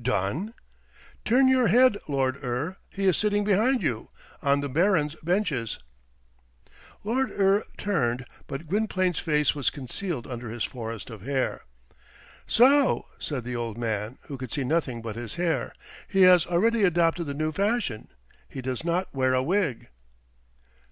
"Done?" "Turn your head, Lord Eure; he is sitting behind you, on the barons' benches." Lord Eure turned, but Gwynplaine's face was concealed under his forest of hair. "So," said the old man, who could see nothing but his hair, "he has already adopted the new fashion. He does not wear a wig."